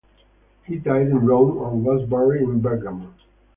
He died in Rome and was buried in Bergamo.